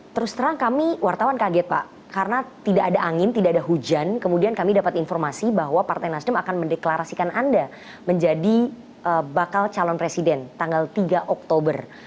terus terang kami wartawan kaget pak karena tidak ada angin tidak ada hujan kemudian kami dapat informasi bahwa partai nasdem akan mendeklarasikan anda menjadi bakal calon presiden tanggal tiga oktober